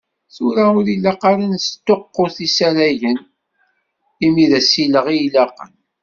Tura, ur ilaq ara ad nesṭuqqut isaragen, imi d asileɣ i ilaqen.